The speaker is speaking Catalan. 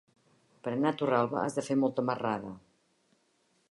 Per anar a Torralba has de fer molta marrada.